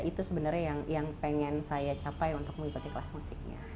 itu sebenarnya yang pengen saya capai untuk mengikuti kelas musiknya